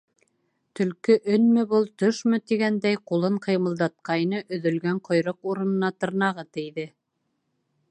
Төлкө өнмө был, төшмө тигәндәй, ҡулын ҡыймылдатҡайны, өҙөлгән ҡойроҡ урынына тырнағы тейҙе.